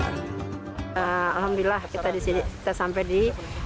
alhamdulillah kita sampai di